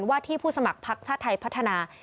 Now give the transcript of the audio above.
ที่ผู้สมัครพักชาติไทยพัฒนา